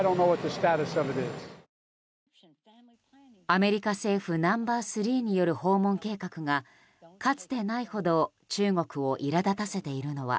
アメリカ政府ナンバー３による訪問計画がかつてないほど中国を苛立たせているのは